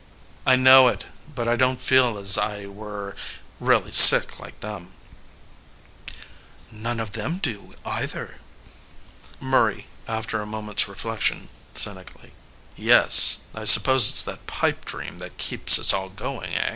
MURRAY. I know it. But I don t feel as I were really sick like them. MISS HOWARD (wisely). None of them do, either. MURRAY (after a moment s reflection cynically}. Yes, I suppose it s that pipe dream that keeps us all going, eh